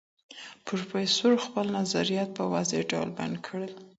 پروفیسرو خپل نظریات په واضح ډول بیان کړل.